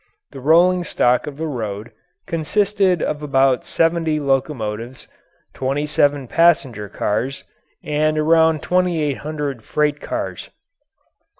The rolling stock of the road consisted of about seventy locomotives, twenty seven passenger cars, and around twenty eight hundred freight cars.